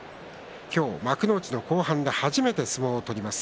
今日、幕内の後半で初めて相撲を取ります。